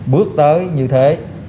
bước tới như thế